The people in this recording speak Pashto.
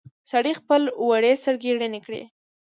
سړي خپلې وړې سترګې رڼې کړې.